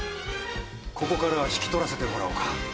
ここからは引き取らせてもらおうか。